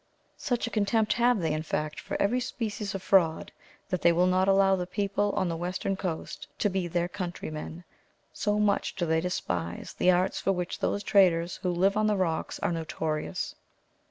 Such a contempt have they, in fact, for every species of fraud, that they will not allow the people on the western coast to be their countrymen; so much do they despise the arts for which those traders who live on the rocks are notorious.